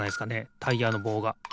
タイヤのぼうが。